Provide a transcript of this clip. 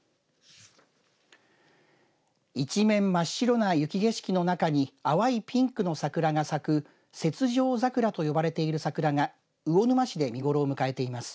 一面真っ白な雪景色の中に淡いピンクの桜が咲く雪上桜と呼ばれている桜が魚沼市で見頃を迎えています。